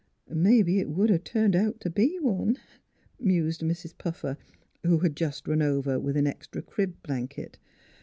" Maybe it would have turned out to be one," mused Mrs. Puffer, who had just run over with an extra crib blanket.